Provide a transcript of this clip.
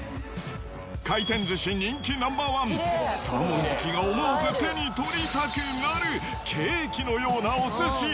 回転寿司人気ナンバーワン、サーモン好きが思わず手に取りたくなるケーキのようなお寿司。